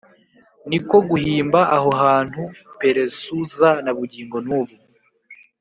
Ni ko guhimba aho hantu Peresuza na bugingo n’ubu.